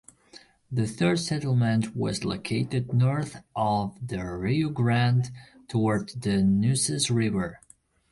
The third settlement was located north of the Rio Grande, toward the Nueces River.